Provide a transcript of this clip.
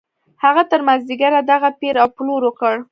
هغه تر مازديګره دغه پېر او پلور وکړ.